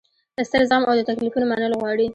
ستر زغم او د تکلیفونو منل غواړي.